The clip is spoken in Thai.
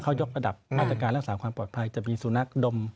เขายกระดับมาตรการรักษาความปลอดภัยจะมีสุนัขดม